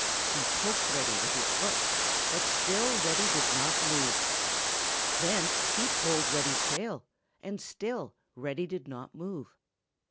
He poked Reddy with his foot, but still Reddy did not move. Then he pulled Reddy's tail, and still Reddy did not move.